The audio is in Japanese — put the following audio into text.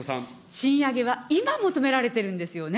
賃上げは今、求められてるんですよね。